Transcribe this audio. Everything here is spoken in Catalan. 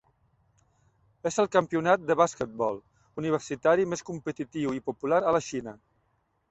És el campionat de basquetbol universitari més competitiu i popular a la Xina.